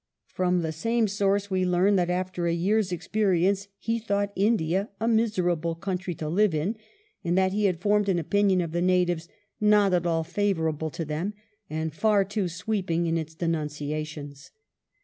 From the same source we learn that after a year's experience he thought India a miserable country to live in, and that he had formed an opinion of the natives not at all favourable to them, and far too sweep ing in its denunciations.